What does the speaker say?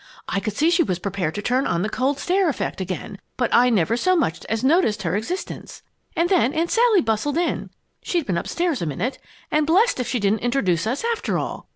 I could see she was prepared to turn on that cold stare effect again, but I never so much as noticed her existence. And then Aunt Sally bustled in, she'd been upstairs a minute, and blest if she didn't introduce us after all!